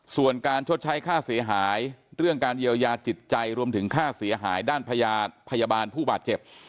ส่วนการชดใช้ค่าเสียหายเรื่องการเยียวยาจิตใจรวมถึงค่าเสียหายด้านพยาบาลผู้บาดเจ็บ